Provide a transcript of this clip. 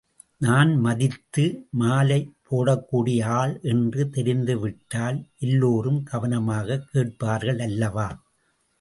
நான் மதித்து மாலை போடக்கூடிய ஆள் என்று தெரிந்து விட்டால் எல்லோரும் கவனமாகக் கேட்பார்கள் அல்லவா?